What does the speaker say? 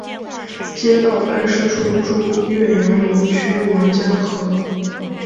街道办事处驻岳阳楼区王家河。